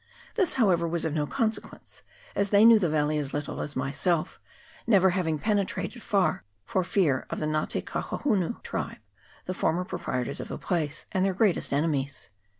This, however, was of no consequence, as they knew the valley as little as myself, never having penetrated far for fear of the Nga te Kahohunu tribe, the former proprietors of the place, and their greatest enemies.